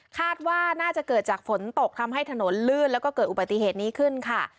คาดว่าน่าจะเกิดจากฝนตกทำให้ถนนลื่นแล้วก็เกิดอุบัติเหตุนี้ขึ้นค่ะ